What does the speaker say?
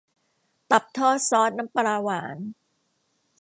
ตับทอดซอสน้ำปลาหวาน